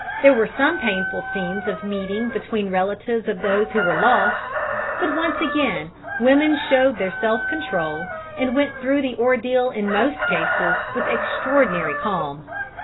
There were some painful scenes of meeting between relatives of those who were lost, but once again women showed their self control and went through the ordeal in most cases with extraordinary calm.